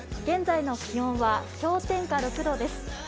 現在の気温は氷点下６度です。